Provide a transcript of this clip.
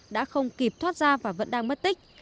đã không kịp thoát ra và vẫn đang mất tích